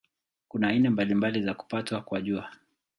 Kuna aina mbalimbali za kupatwa kwa Jua.